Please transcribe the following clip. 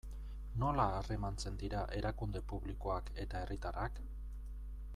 Nola harremantzen dira erakunde publikoak eta herritarrak?